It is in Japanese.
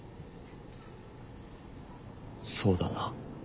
そうだな。